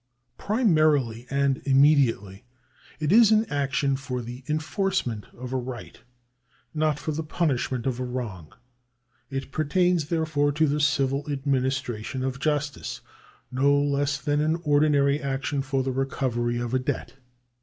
Primarily and immediately, it is an action for the enforcement of a right, not for the punishment of a wrong. It pertains, therefore, to the civil administration of justice, no less than an ordinary action for^the recovery of a debt.